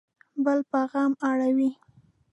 بل په غم اړوي